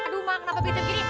aduh mak kenapa pingsan begini